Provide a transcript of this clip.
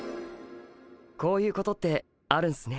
こういうことってあるんすね。